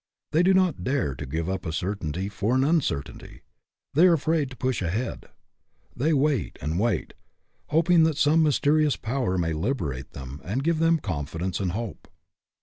They do not dare to give up a certainty for an uncertainty; they are afraid to push ahead. They wait and wait, hoping that some mysterious power may liberate them and give them confidence and hope.